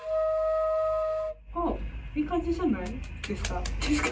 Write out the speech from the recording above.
おぉいい感じじゃないですか？